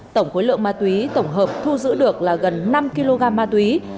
tổng khối lượng ma túy tổng hợp thu giữ được là gần năm kg ma túy